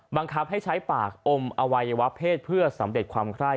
บังคับให้ใช้ปากอมอวัยวะเพศเพื่อสำเร็จความไคร้